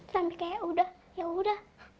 sampai kayak udah yaudah